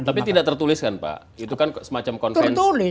tapi tidak tertulis kan pak itu kan semacam konvensi